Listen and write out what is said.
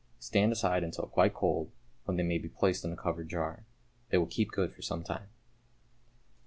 Stand aside until quite cold, when they may be placed in a covered jar. They will keep good for some time.